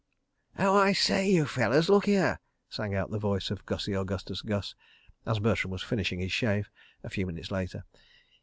... "Oh, I say, you fellers, look here!" sang out the voice of Gussie Augustus Gus, as Bertram was finishing his shave, a few minutes later.